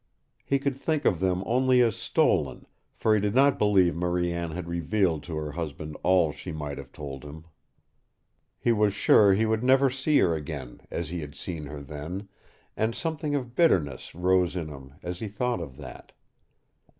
He could think of them only as stolen, for he did not believe Marie Anne had revealed to her husband all she might have told him. He was sure he would never see her again as he had seen her then, and something of bitterness rose in him as he thought of that.